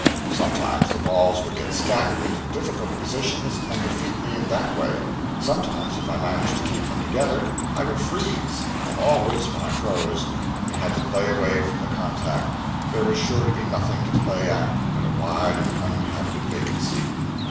Sometimes the balls would get scattered into difficult positions and defeat me in that way; sometimes if I managed to keep them together, I would freeze; and always when I froze, and had to play away from the contact, there was sure to be nothing to play at but a wide and uninhabited vacancy.